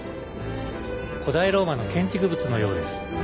古代ローマの建築物のようです。